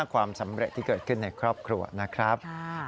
ความสำเร็จที่เกิดขึ้นในครอบครัวนะครับ